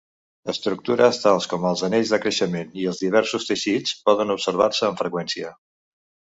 Estructures tals com els anells de creixement i els diversos teixits poden observar-se amb freqüència.